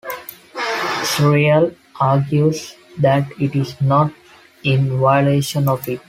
Israel argues that it is not in violation of it.